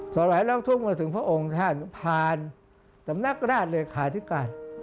สลายร้องทุกข์มาถึงพระองค์ท่านผ่านสำนักราชเลขาธิการ